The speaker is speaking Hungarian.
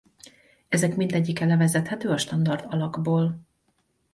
Ezek mindegyike levezethető a standard alakból.